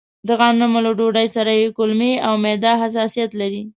د غنمو له ډوډۍ سره يې کولمې او معده حساسيت لري.